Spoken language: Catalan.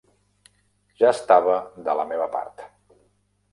Ja estava de la meva part.